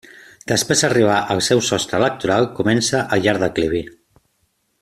Després d'arribar al seu sostre electoral comença el llarg declivi.